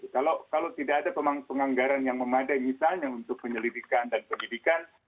kalau tidak ada penganggaran yang memadai misalnya untuk penyelidikan dan penyidikan